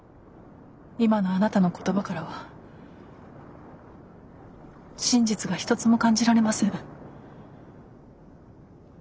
今のあなたの言葉からは真実が一つも感じられません。